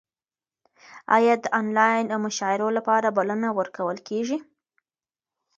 ایا د انلاین مشاعرو لپاره بلنه ورکول کیږي؟